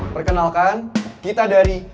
perkenalkan kita dari